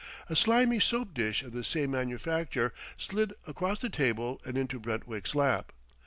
A slimy soap dish of the same manufacture slid across the table and into Brentwick's lap.